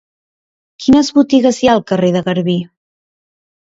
Quines botigues hi ha al carrer de Garbí?